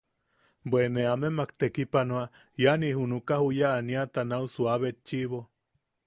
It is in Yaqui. Bwe ne amemak tekipanoa iani junuka juya aniata nau suua betchiʼibo.